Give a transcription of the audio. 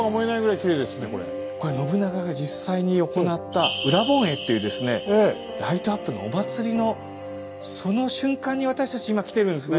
これ信長が実際に行った「盂蘭盆会」っていうですねライトアップのお祭りのその瞬間に私たち今来てるんですね。